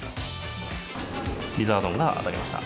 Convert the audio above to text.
リザードンが当たりました。